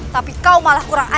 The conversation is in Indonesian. tapi kau malah kurang